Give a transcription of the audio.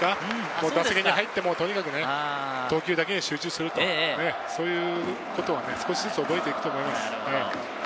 この打席に入って、とにかく投球だけに集中すると、そういうことを少しずつ覚えていくと思います。